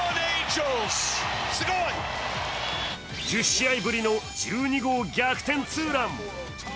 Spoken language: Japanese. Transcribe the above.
１０試合ぶりの１２号逆転ツーラン。